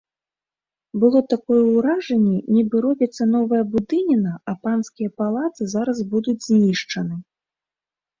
Было такое ўражанне, нібы робіцца новая будыніна, а панскія палацы зараз будуць знішчаны.